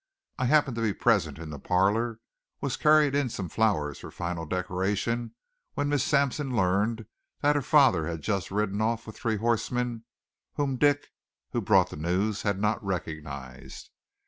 I happened to be present in the parlor, was carrying in some flowers for final decoration, when Miss Sampson learned that her father had just ridden off with three horsemen whom Dick, who brought the news, had not recognized.